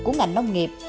của ngành nông nghiệp